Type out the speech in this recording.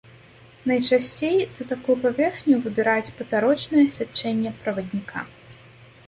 Найчасцей за такую паверхню выбіраюць папярочнае сячэнне правадніка.